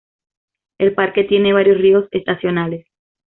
El parque tiene varios ríos estacionales.